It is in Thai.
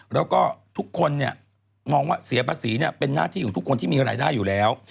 แล้วก็ทุกคนมองว่าเสียภาษีเป็นหน้าที่ของทุกคนที่มีรายได้อยู่แล้ว